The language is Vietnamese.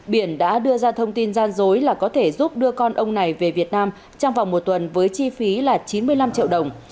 biển đã đưa ra thông tin gian dối là có thể giúp đưa con ông này về việt nam trong vòng một tuần với chi phí là chín mươi năm triệu đồng